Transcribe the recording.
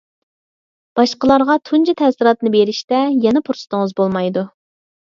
باشقىلارغا تۇنجى تەسىراتنى بېرىشتە يەنە پۇرسىتىڭىز بولمايدۇ.